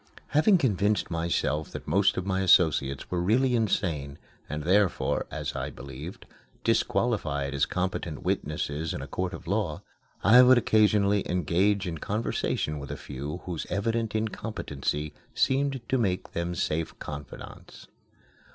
Having convinced myself that most of my associates were really insane, and therefore (as I believed) disqualified as competent witnesses in a court of law, I would occasionally engage in conversation with a few whose evident incompetency seemed to make them safe confidants.